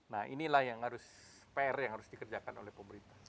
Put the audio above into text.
nah inilah yang harus pr yang harus dikerjakan oleh pemerintah